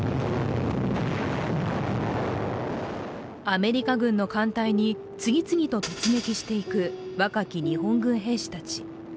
アメリカ軍の艦隊に次々と突撃していく若き日本軍兵士たち。